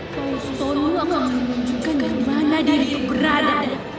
kau selalu akan menunjukkan dimana diriku berada